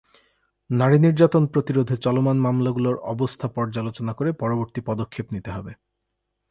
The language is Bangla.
নারী নির্যাতন প্রতিরোধে চলমান মামলাগুলোর অবস্থা পর্যালোচনা করে পরবর্তী পদক্ষেপ নিতে হবে।